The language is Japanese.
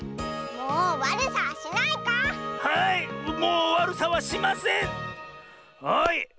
はい。